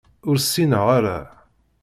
Ur ssineɣ ara.